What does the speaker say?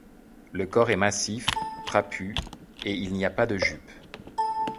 Le corps est massif, trapu et il n'y a pas de jupe.